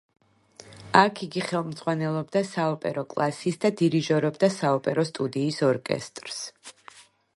აქ იგი ხელმძღვანელობდა საოპერო კლასის და დირიჟორობდა საოპერო სტუდიის ორკესტრს.